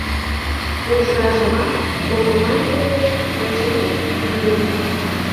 Уржажымат молгунамсе деч пычырик ӱдымӧ.